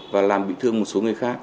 và làm bị thương một số người khác